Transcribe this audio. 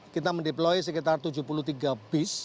kita mendeploy sekitar tujuh puluh tiga bis